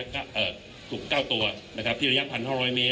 คุณผู้ชมไปฟังผู้ว่ารัฐกาลจังหวัดเชียงรายแถลงตอนนี้ค่ะ